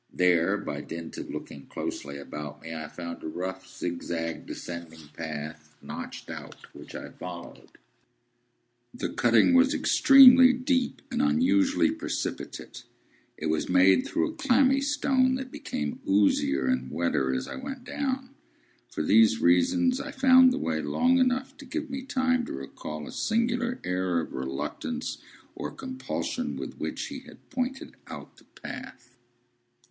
There, by dint of looking closely about me, I found a rough zigzag descending path notched out, which I followed. The cutting was extremely deep, and unusually precipitate. It was made through a clammy stone, that became oozier and wetter as I went down. For these reasons, I found the way long enough to give me time to recall a singular air of reluctance or compulsion with which he had pointed out the path.